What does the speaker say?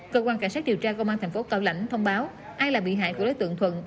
cơ quan cảnh sát điều tra công an thành phố cao lãnh thông báo ai là bị hại của đối tượng thuận